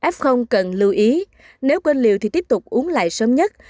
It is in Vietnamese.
f cần lưu ý nếu quên liều thì tiếp tục uống lại sớm nhất